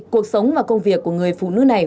cuộc sống và công việc của người phụ nữ này